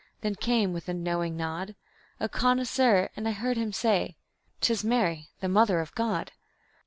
Then came, with a knowing nod, A connoisseur, and I heard him say; "'Tis Mary, the Mother of God."